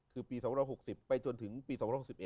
คือปี๒๖๐ไปจนถึงปี๒๖๑